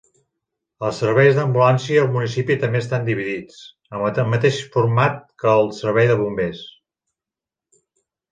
Els serveis d'ambulància al municipi també estan dividits, amb el mateix format que el servei de bombers.